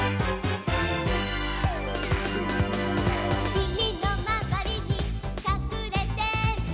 「君のまわりにかくれてる」